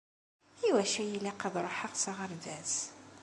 Iwacu i y-ilaq ad ruḥeɣ s aɣerbaz?